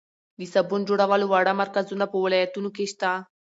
د صابون جوړولو واړه مرکزونه په ولایتونو کې شته.